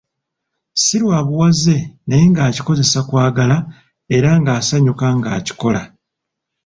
Si lwa buwaze naye ng'akikozesa kwagala era ng'asanyuka ng'akikola.